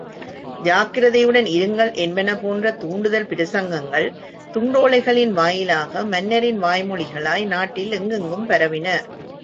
ஜாக்கிரதையுடன் இருங்கள்! என்பன போன்ற தூண்டுதல் பிரசங்கங்கள், துண்டோலைகளின் வாயிலாக மன்னரின் வாய்மொழிகளாய் நாட்டில் எங்கெங்கும் பரவின.